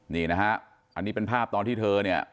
นี่นะฮะอันนี้เป็นภาพตอนที่เธอเนี่ย